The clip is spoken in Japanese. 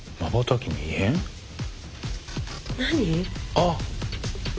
あっ！